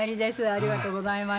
ありがとうございます。